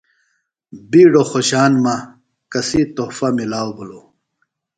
بیڈوۡ خوشان مہ کسی تحفہ مِلاؤ بِھلوۡ